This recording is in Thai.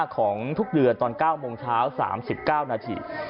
ของทุกเดือนตอน๙โมงเช้า๓๙นาที